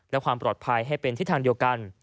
และความปลอดภัยให้เป็นทิศทางเดียวกัน